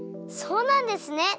そうなんですね。